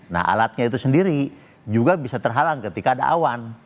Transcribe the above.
nah alatnya itu sendiri juga bisa terhalang ketika ada awan